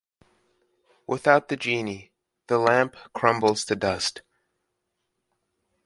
Without the Genie, the lamp crumbles to dust.